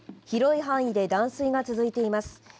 広い範囲で断水が続いています。